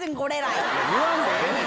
言わんでええねん！